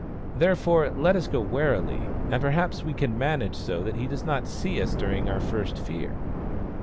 " Therefore, let us go very warily, and perhaps we can manage so that he does not see us during our first fear."